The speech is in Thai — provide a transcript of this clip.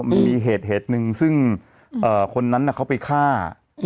มันมีเหตุเหตุหนึ่งซึ่งเอ่อคนนั้นอ่ะเขาไปฆ่าอืม